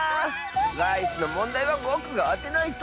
ライスのもんだいはぼくがあてないと。